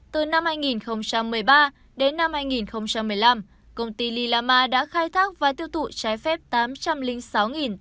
từ năm hai nghìn một mươi ba đến năm hai nghìn một mươi năm công ty lilama đã khai thác và tiêu thụ trái phép tám trăm linh sáu tám trăm chín mươi tám tấn quạng